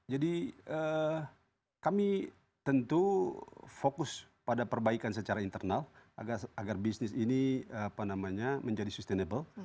jadi kami tentu fokus pada perbaikan secara internal agar bisnis ini apa namanya menjadi sustainable